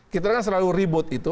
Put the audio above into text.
kita kan selalu ribut itu